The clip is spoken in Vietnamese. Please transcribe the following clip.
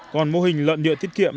còn mô hình lợn địa thiết kiệm